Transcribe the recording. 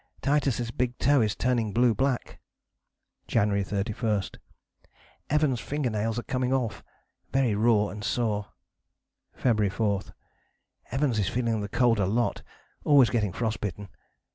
Titus' big toe is turning blue black." January 31: "Evans' finger nails all coming off, very raw and sore." February 4: "Evans is feeling the cold a lot, always getting frost bitten.